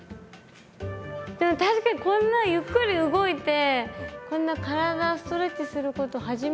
でも確かにこんなゆっくり動いてこんな体ストレッチすること初めて。